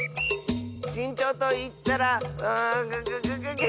しんちょうといったらんググググ。